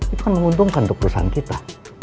itu kan menguntungkan untuk perusahaan kita